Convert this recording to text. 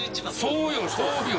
そうよそうよ！